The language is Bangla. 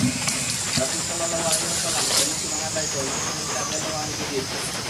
রাসূল সাল্লাল্লাহু আলাইহি ওয়াসাল্লাম এ মূর্তি ভাঙ্গার দায়িত্ব হযরত খালিদ রাযিয়াল্লাহু আনহু কে দিয়েছিলেন।